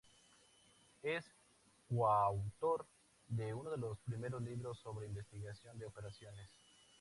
Es coautor de uno de los primeros libros sobre investigación de operaciones.